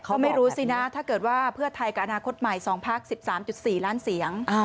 เขาไม่รู้สินะถ้าเกิดว่าเพื่อไทยกับอนาคตใหม่๒พัก๑๓๔ล้านเสียง